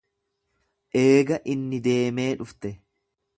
Eega inni deemee dhufte.